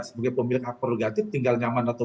sebagai pemilik akpoligatif tinggal nyaman atau